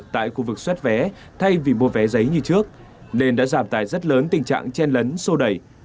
tại khu vực xoát vé thay vì mua vé giấy như trước nên đã giảm tài rất lớn tình trạng chen lấn sô đẩy